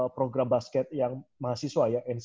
program basket yang mahasiswa ya